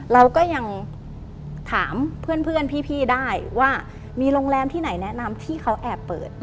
เราก็ยังถามเพื่อนพี่ได้ว่ามีโรงแรมที่ไหนแนะนำที่เขาแอบเปิด